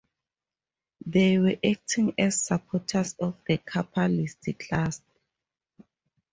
They were acting as supporters of the capitalist class.